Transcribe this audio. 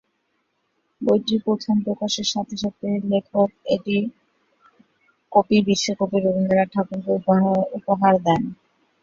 বইটি প্রথম প্রকাশের সাথে সাথে লেখক এটি কপি বিশ্বকবি রবীন্দ্রনাথ ঠাকুরকে উপহার দেন।